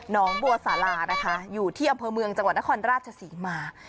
น้องบัวสารานะคะอยู่ที่อำเภอเมืองจังหวัดนครราชศรีมา